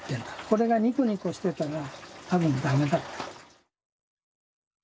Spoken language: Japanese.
これがニコニコしてたら多分駄目だった。